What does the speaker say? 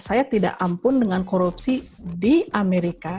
saya tidak ampun dengan korupsi di amerika